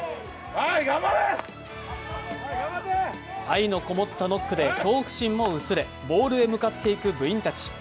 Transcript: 愛のこもったノックで恐怖心も薄れボールへ向かっていく部員たち。